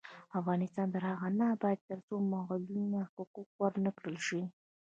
افغانستان تر هغو نه ابادیږي، ترڅو د معلولینو حقونه ورکړل نشي.